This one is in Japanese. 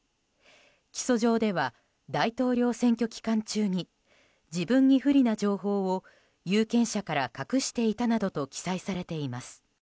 起訴状では、大統領選挙期間中に自分に不利な情報を有権者から隠していたなどと記載されています。